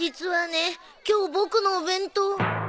今日ボクのお弁当。